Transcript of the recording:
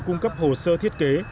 cung cấp hồ sơ thiết kế